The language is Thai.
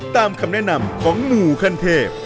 ตามคำแนะนำของหมู่ขั้นเทพ